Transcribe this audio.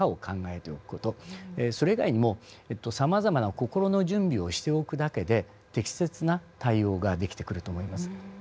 それ以外にもさまざまな心の準備をしておくだけで適切な対応ができてくると思います。